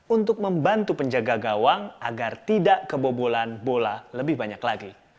untuk membantu penjaga gawang agar tidak kebobolan bola lebih banyak lagi